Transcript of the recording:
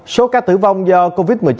số ca tử vong do covid một mươi chín